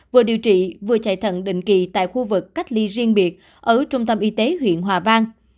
vừa điều trị vừa chạy thận định kỳ tại khu vực cách ly riêng biệt ở trung tâm y tế huyện hòa vang